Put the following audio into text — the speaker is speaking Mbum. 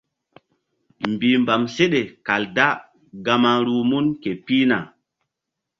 Mbihmbam seɗe kal da gama ruh mun ke pihna.